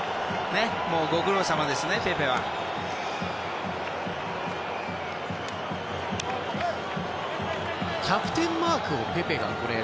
ご苦労さまですね、ペペは。